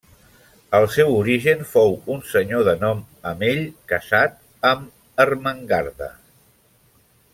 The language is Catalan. El seu origen fou un senyor de nom Amell, casat amb Ermengarda.